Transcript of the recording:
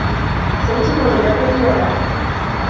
سيتمّ إغلاق العيادة.